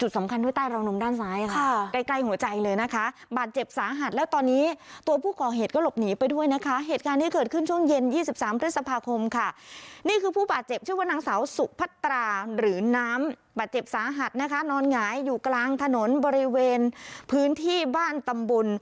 สามบาดเจ็บสาหัสนะคะนอนหงายอยู่กลางถนนบริเวณพื้นที่บ้านตำบุญ